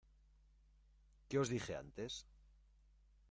¿ Qué os dije antes?